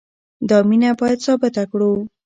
دا مینه باید ثابته کړو.